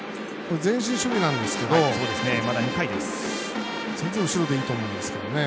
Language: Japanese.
前進守備なんですけど全然、後ろでいいと思うんですけどね。